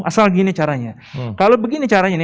asal gini caranya kalau begini caranya ini